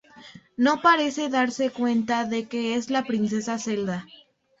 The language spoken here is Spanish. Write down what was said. No parece darse cuenta de que es la princesa Zelda.